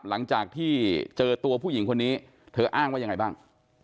หลังจากที่เจอตัวผู้หญิงคนนี้เธออ้างว่ายังไงบ้าง